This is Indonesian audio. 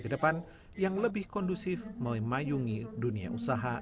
ke depan yang lebih kondusif memayungi dunia usaha